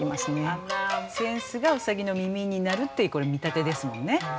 あら扇子が兎の耳になるっていうこれ見立てですもんね。